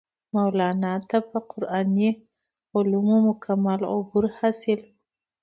مولانا ته پۀ قرآني علومو مکمل عبور حاصل وو